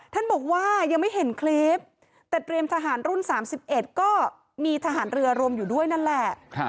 ท่านบอกว่ายังไม่เห็นคลิปแต่เตรียมทหารรุ่น๓๑ก็มีทหารเรือรวมอยู่ด้วยนั่นแหละ